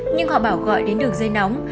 nhưng họ bảo gọi đến đường dây nóng